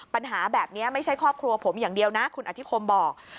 ปัญหาแบบนี้ไม่ใช่ครอบครัวผมอย่างเดียวนะคุณอธิคมบอก